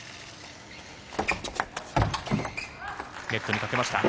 ネットにかけました。